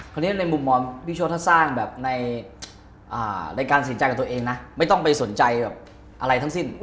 คราวนี้ในมุมมองพี่โชธสร้างแบบในการสินใจกับตัวเองนะไม่ต้องไปสนใจอะไรทั้งสิ้น